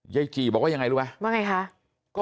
ยายจีย์บอกว่ายังไงรู้ไหม